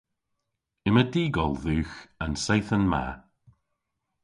Yma dy'gol dhywgh an seythen ma.